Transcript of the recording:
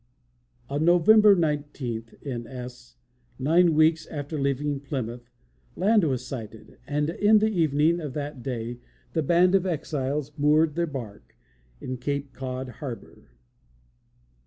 On November 19 (N. S.), nine weeks after leaving Plymouth, land was sighted, and in the evening of that day, the "band of exiles moored their bark" in Cape Cod harbor.